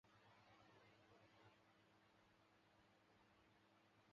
戈亚斯州贝拉维斯塔是巴西戈亚斯州的一个市镇。